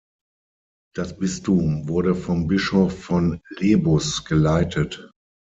Das Bistum wurde vom Bischof von Lebus geleitet.